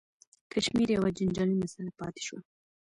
کشمیر یوه جنجالي مسله پاتې شوه.